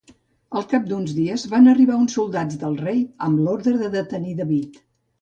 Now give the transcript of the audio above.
Al cap d'uns dies van arribar uns soldats del rei amb l'ordre de detenir David.